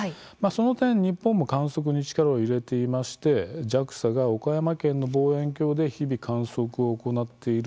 その点、日本も観測に力を入れていましてＪＡＸＡが岡山県の望遠鏡で日々、観測を行っている他